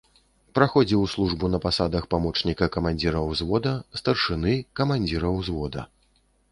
Праходзіў службу на пасадах памочніка камандзіра ўзвода, старшыны, камандзіра ўзвода.